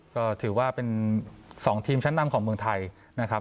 ก็ถือว่าเป็น๒ทีมชั้นนำของเมืองไทยนะครับ